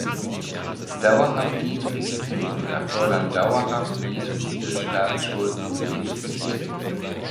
Dauerhaft niedrige Zinsen erfordern dauerhaft niedrige Staatsschulden und -defizite.